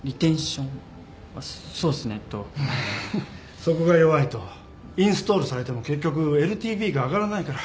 そこが弱いとインストールされても結局ＬＴＶが上がらないから。